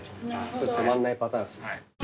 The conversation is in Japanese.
それ止まんないパターンですね。